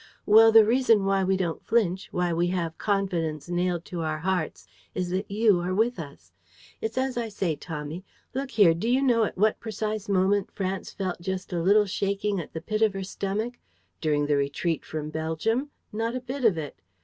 Well, the reason why we don't flinch, why we have confidence nailed to our hearts, is that you are with us. It's as I say, Tommy. Look here, do you know at what precise moment France felt just a little shaking at the pit of her stomach? During the retreat from Belgium? Not a bit of it!